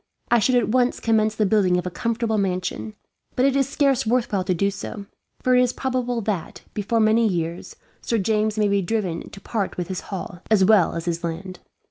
I should at once commence the building of a comfortable mansion, but it is scarce worth while to do so; for it is probable that, before many years, Sir James may be driven to part with his Hall, as well as his land.